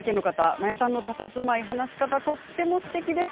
真矢さんのたたずまい、話し方とてもすてきです。